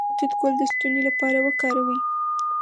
د توت ګل د ستوني لپاره وکاروئ